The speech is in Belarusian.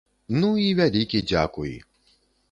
Ну, і вялікі дзякуй!